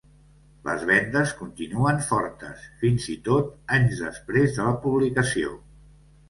Les vendes continuen fortes, fins i tot anys després de la publicació.